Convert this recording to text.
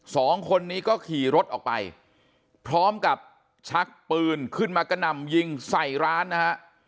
สองคนนี้ก็ขี่รถออกไปพร้อมกับชักปืนขึ้นมากระหน่ำยิงใส่ร้านนะฮะ